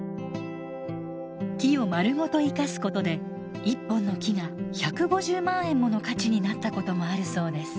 木をまるごと生かすことで１本の木が１５０万円もの価値になったこともあるそうです。